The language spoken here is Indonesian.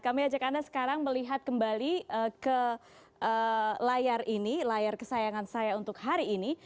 kami ajak anda sekarang melihat kembali ke layar ini layar kesayangan saya untuk hari ini